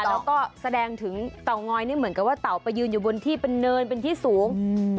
แล้วก็แสดงถึงเตางอยนี่เหมือนกับว่าเต่าไปยืนอยู่บนที่เป็นเนินเป็นที่สูง